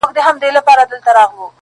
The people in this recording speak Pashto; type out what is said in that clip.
د زلمیو د مستۍ اتڼ پر زور سو؛